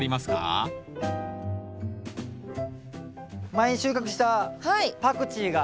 前に収穫したパクチーが。